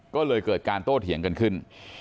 ก็เลยเกิดการโต้เถียงกันขึ้น